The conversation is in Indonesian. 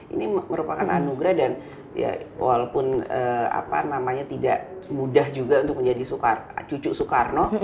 ini merupakan anugerah dan ya walaupun tidak mudah juga untuk menjadi cucu soekarno